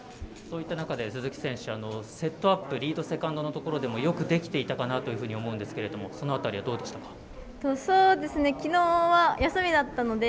そういった中、鈴木選手セットアップリード、セカンドのところでよくできていたと思うんですがその辺りはどうでしたか。